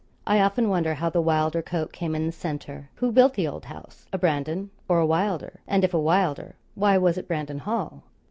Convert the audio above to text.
I often wonder how the Wylder coat came in the centre; who built the old house a Brandon or a Wylder; and if a Wylder, why was it Brandon Hall?